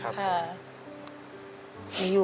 ค่ะ